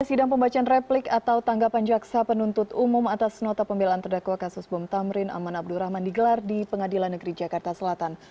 sidang pembacaan replik atau tanggapan jaksa penuntut umum atas nota pembelaan terdakwa kasus bom tamrin aman abdurrahman digelar di pengadilan negeri jakarta selatan